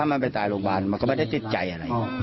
มันไปตายโรงพยาบาลมันก็ไม่ได้ติดใจอะไร